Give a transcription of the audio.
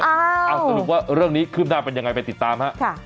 เอาสรุปว่าเรื่องนี้ขึ้นหน้าเป็นยังไงไปติดตามฮะ